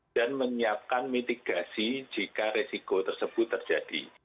dan menyiapkan mitigasi jika resiko tersebut terjadi